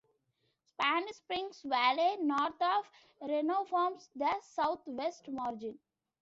Spanish Springs Valley north of Reno forms the southwest margin.